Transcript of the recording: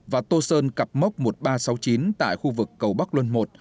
và tô sơn cặp mốc một nghìn ba trăm sáu mươi chín tại khu vực cầu bắc luân i